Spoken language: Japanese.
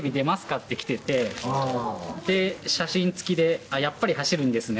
って来てて、写真付きで、やっぱり走るんですね。